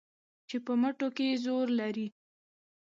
چې په مټو کې زور لري